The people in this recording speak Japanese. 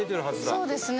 そうですね。